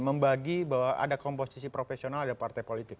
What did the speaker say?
membagi bahwa ada komposisi profesional ada partai politik